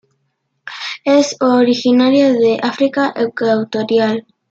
Es originaria de África ecuatorial.